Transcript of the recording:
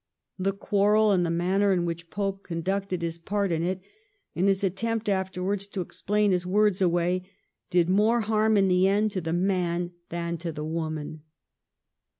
The quarrel, and the manner in which Pope conducted his part of it, and his attempt afterwards to explain his words away, did more harm in the end to the man than to the woman.